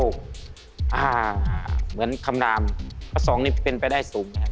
ข้อ๒อ่ะเหมือนคำรามข้อ๒เนี่ยเป็นไปได้สูง